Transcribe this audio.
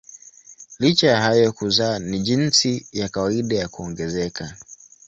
Licha ya hayo kuzaa ni jinsi ya kawaida ya kuongezeka.